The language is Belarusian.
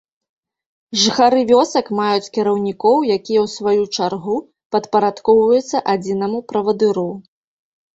Жыхары вёсак маюць кіраўнікоў, якія ў сваю чаргу падпарадкоўваюцца адзінаму правадыру.